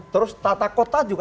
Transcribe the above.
terus tata kota juga